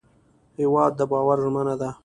هېواد د باور ژمنه ده.